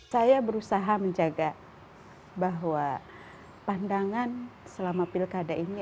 saya berusaha menjaga bahwa pandangan selama pilkada ini